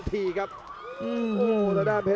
ชาเลน์